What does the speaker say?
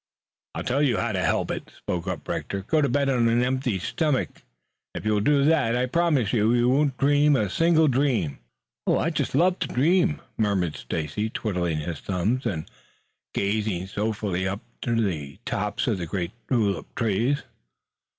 "I'll tell you how to help it," spoke up Rector. "Go to bed on an empty stomach. If you will do that, I promise you that you won't dream a single dream." "I just love to dream," murmured Stacy, twiddling his thumbs and gazing soulfully up to the tops of the great tulip trees.